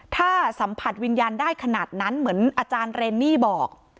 ถ้าสัมผัสวิญญาณได้ขนาดนั้นเหมือนอาจารย์เรนนี่บอก